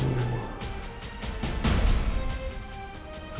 tidak ada apa apa